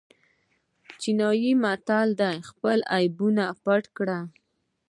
چینایي متل وایي خپل عیبونه پټ کړئ.